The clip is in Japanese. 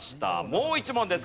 もう一問です。